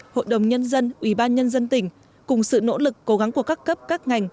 hội đồng nhân dân ubnd tỉnh cùng sự nỗ lực cố gắng của các cấp các ngành